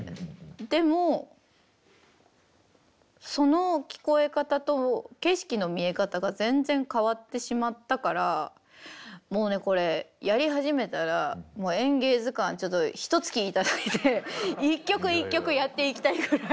でもその聞こえ方と景色の見え方が全然変わってしまったからもうねこれやり始めたら「演芸図鑑」ちょっとひとつき頂いて一曲一曲やっていきたいぐらい。